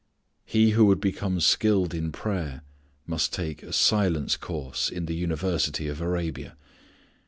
He who would become skilled in prayer must take a silence course in the University of Arabia.